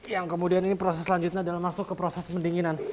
yang kemudian ini proses selanjutnya adalah masuk ke proses pendinginan